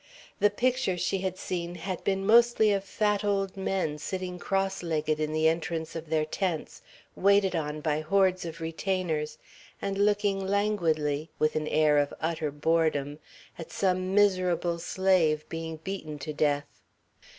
The pictures she had seen had been mostly of fat old men sitting cross legged in the entrance of their tents, waited on by hordes of retainers, and looking languidly, with an air of utter boredom, at some miserable slave being beaten to death.